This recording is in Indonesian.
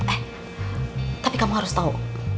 eh tapi kamu harus tahu